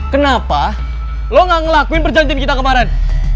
kenapa lo gak ngelakuin perjanjian kita kemarin